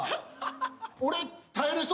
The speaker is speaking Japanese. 俺。